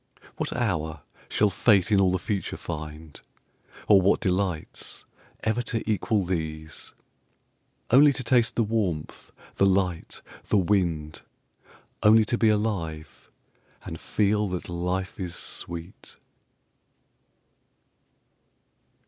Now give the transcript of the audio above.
What hour shall Fate in all the future find, Or what delights, ever to equal these: Only to taste the warmth, the light, the wind, Only to be alive, and feel that life is sweet?